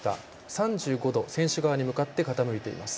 ３５度、選手に向かって傾いています。